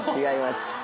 違います。